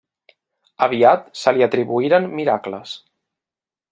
Aviat se li atribuïren miracles.